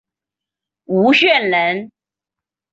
吴县人。